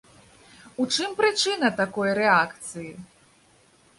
У чым прычына такой рэакцыі?